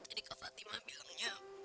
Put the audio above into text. jadi kak fatima bilangnya